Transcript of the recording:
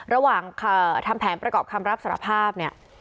ระหว่างทำแผนประกอบคำรับสารภาพเนี่ย